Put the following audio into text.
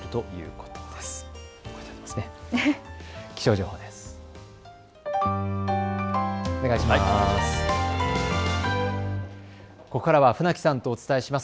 ここからは船木さんとお伝えします。